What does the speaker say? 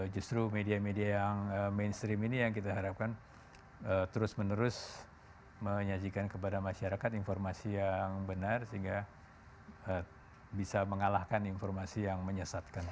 justru media media yang mainstream ini yang kita harapkan terus menerus menyajikan kepada masyarakat informasi yang benar sehingga bisa mengalahkan informasi yang menyesatkan